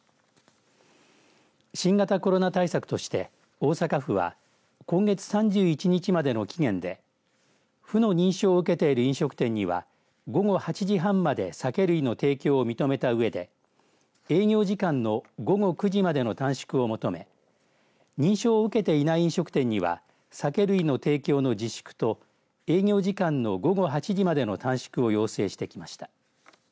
新型コロナ対策として大阪府は今月３１日までの期限で府の認証を受けている飲食店には午後８時半まで酒類の提供を認めたうえで営業時間の午後９時までの短縮を求め認証を受けていない飲食店には酒類の提供の自粛と営業時間の午後８時までの短縮を要請してきました。